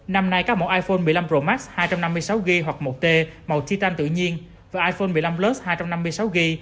năm nay các mẫu iphone một mươi năm pro max hai trăm năm mươi sáu gb hoặc một t màu titan tự nhiên và iphone một mươi năm plus hai trăm năm mươi sáu gb